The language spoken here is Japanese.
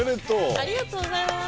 ありがとうございます。